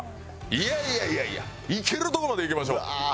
いやいやいやいやいけるとこまでいきましょう。